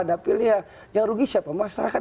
dapilnya yang rugi siapa masyarakat